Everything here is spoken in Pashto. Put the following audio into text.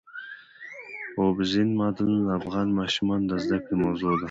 اوبزین معدنونه د افغان ماشومانو د زده کړې موضوع ده.